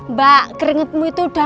mbak keringetmu itu udah